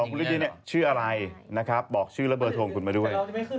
คุณฤทธิเนี่ยชื่ออะไรนะครับบอกชื่อและเบอร์โทรคุณมาด้วย